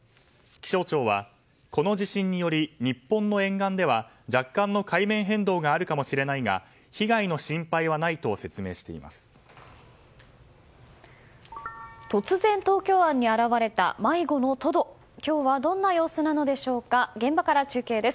気象庁は、この地震により日本の沿岸では若干の海面変動があるかもしれないが被害の心配はないと説明しています。